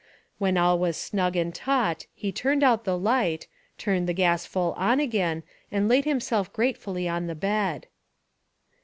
When all was snug and taut he turned out the light, turned the gas full on again and laid himself gratefully upon the bed.